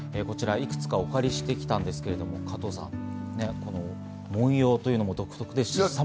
こちら、いくつかお借りしてきたんですけれども、文様というのも独特で。